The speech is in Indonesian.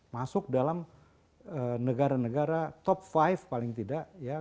masuk dalam negara negara top lima paling tidak ya